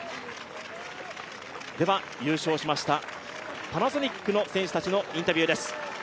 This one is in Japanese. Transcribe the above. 優勝しましたパナソニックの選手たちのインタビューです。